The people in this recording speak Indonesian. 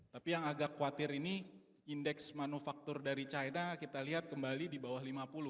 tapi yang agak khawatir ini indeks manufaktur dari china kita lihat kembali di bawah lima puluh